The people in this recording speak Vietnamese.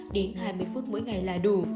một mươi năm đến hai mươi phút mỗi ngày là đủ